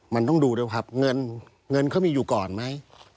มันต้องดูด้วยครับเงินเงินเขามีอยู่ก่อนไหม